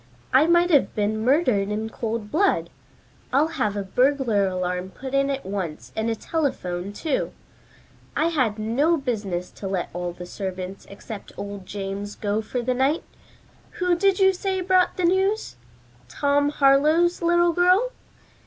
"I might have been murdered in cold blood. I'll have a burglar alarm put in at once and a telephone, too. I had no business to let all the servants except old James go for the night. Who did you say brought the news? Tom Harlowe's little girl?